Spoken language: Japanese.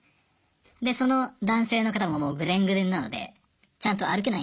でその男性の方ももうぐでんぐでんなのでちゃんと歩けないんですね。